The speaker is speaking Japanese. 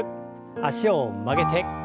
脚を曲げて。